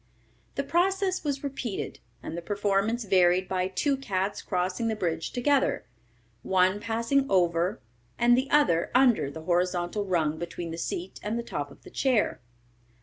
The process was repeated, and the performance varied by two cats crossing the bridge together, one passing over and the other under the horizontal rung between the seat and the top of the chair.